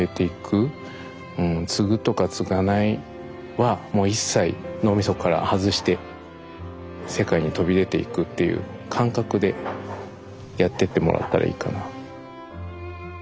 継ぐとか継がないはもう一切脳みそから外して世界に飛び出ていくっていう感覚でやってってもらったらいいかな。